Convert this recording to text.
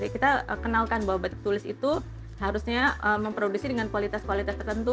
kita kenalkan bahwa batik tulis itu harusnya memproduksi dengan kualitas kualitas tertentu